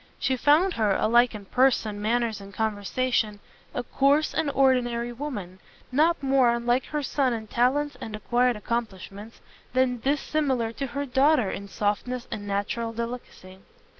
She found her, alike in person, manners and conversation, a coarse and ordinary woman, not more unlike her son in talents and acquired accomplishments, than dissimilar to her daughter in softness and natural delicacy.